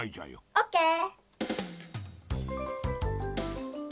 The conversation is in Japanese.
オッケー！